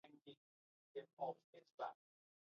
له ستونزې سره مخ کېدل منفي فکرونه هم لري.